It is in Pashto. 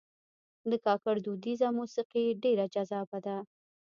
د کاکړ دودیزه موسیقي ډېر جذابه ده.